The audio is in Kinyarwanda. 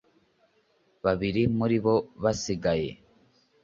Babiri muri bo basigaye